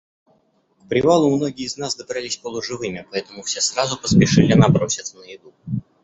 К привалу многие из нас добрались полуживыми, поэтому все сразу поспешили наброситься на еду.